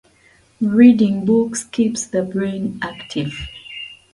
Numerous routes have been studied.